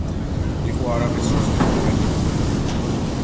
იყო არაბეთს როსტევან მეფე